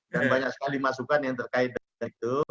dan banyak sekali masukan yang terkait dengan itu